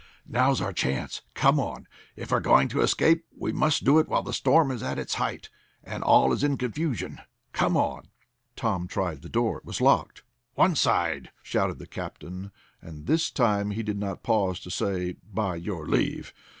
"Now's our chance! Come on! If we're going to escape we must do it while the storm is at its height, and all is in confusion. Come on!" Tom tried the door. It was locked. "One side!" shouted the captain, and this time he did not pause to say "by your leave."